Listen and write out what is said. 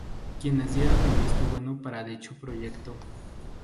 Quienes dieron el visto bueno para dicho proyecto.